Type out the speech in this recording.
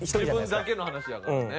自分だけの話やからね。